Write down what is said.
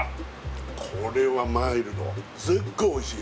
これはマイルドすっごいおいしい